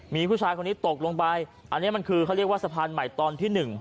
มีผู้ชายคนนี้ตกลงไปอันนี้มันคือเขาเรียกว่าสะพานใหม่ตอนที่๑